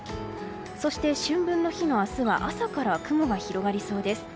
そして春分の日の明日は朝から雲が広がりそうです。